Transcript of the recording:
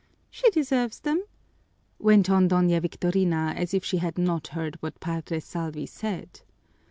"She deserves them!" went on Doña Victorina as if she had not heard what Padre Salvi said.